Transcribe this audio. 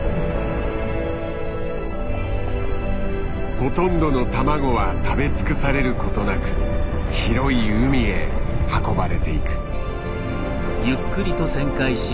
ほとんどの卵は食べ尽くされることなく広い海へ運ばれていく。